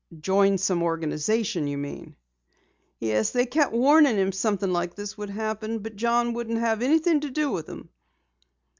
"Join some organization, you mean?" "Yes, they kept warning him something like this would happen, but John wouldn't have anything to do with 'em."